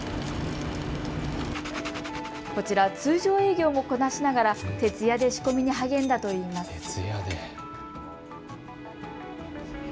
こちら、通常営業もこなしながら徹夜で仕込みに励んだといいます。